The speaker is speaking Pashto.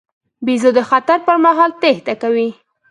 بیزو د خطر پر مهال تېښته کوي.